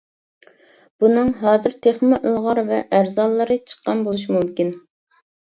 بۇنىڭ ھازىر تېخىمۇ ئىلغار ۋە ئەرزانلىرى چىققان بولۇشى مۇمكىن.